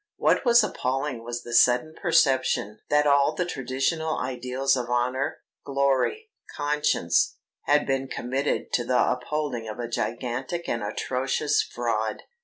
What was appalling was the sudden perception that all the traditional ideals of honour, glory, conscience, had been committed to the upholding of a gigantic and atrocious fraud.